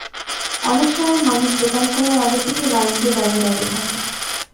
অনেক সময় মানুষ দোকান খোলার আগে থেকেই লাইন দিয়ে বাইরে দাঁড়িয়ে থাকে।